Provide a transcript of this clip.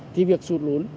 thì việc sụt lún